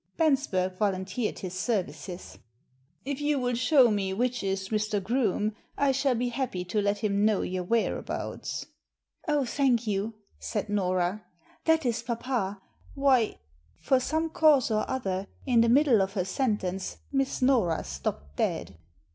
Bensberg volunteered his services. * If you will show me which is Mr. Groome I shall be happy to let him know your whereabouts." "Oh, thank you," said Nora. "That is papa. Why '' For some cause or other, in the middle of her sentence Miss Nora stopped dead.